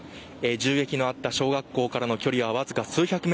銃撃のあった小学校からの距離はわずか数百ｍ。